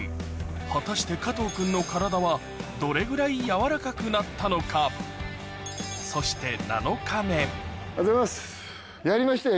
果たして加藤君の体はどれぐらい柔らかくなったのかそしておはようございますやりましたよ